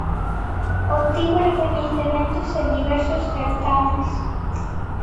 Obtivo recoñecementos en diversos certames.